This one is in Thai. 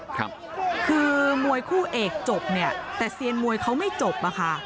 คือมวยคู่เอกจบเนี่ยแต่เซียนมวยเขาไม่จบอะค่ะ